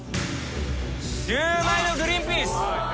シューマイのグリンピース。